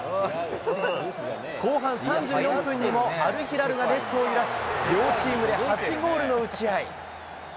後半３４分にも、アルヒラルがネットを揺らし、両チームで８ゴールの打ち合い。